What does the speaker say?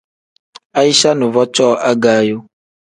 Aicha nuvo cooo agaayo.